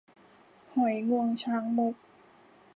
หอยงวงช้างมุก